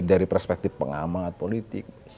dari perspektif pengamanan politik